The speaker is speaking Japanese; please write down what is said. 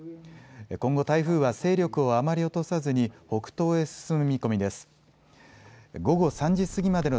今後、台風は勢力をあまり落とさずに北東へ進む見込みです。